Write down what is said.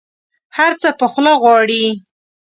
هر څه په خوله غواړي.